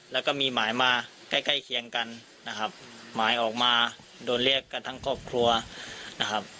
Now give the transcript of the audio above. แล้วก็มีหมายมาใกล้ใกล้เคียงกันนะครับหมายออกมาโดนเรียกกันทั้งครอบครัวนะครับ